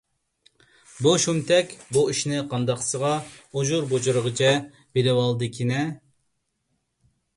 بۇ شۇمتەك بۇ ئىشنى قانداقسىغا ئۇجۇر - بۇجۇرىغىچە بىلىۋالدىكىنە؟